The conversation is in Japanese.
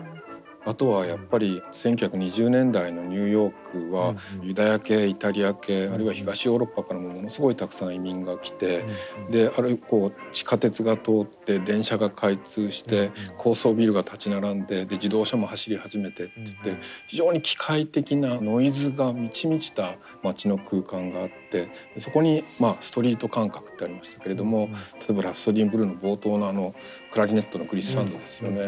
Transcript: あとはやっぱり１９２０年代のニューヨークはユダヤ系イタリア系あるいは東ヨーロッパからもものすごいたくさん移民が来てある日こう地下鉄が通って電車が開通して高層ビルが立ち並んで自動車も走り始めてっていって非常に機械的なノイズが満ち満ちた街の空間があってそこにまあストリート感覚ってありましたけれども例えば「ラプソディー・イン・ブルー」の冒頭のクラリネットのグリッサンドですよね。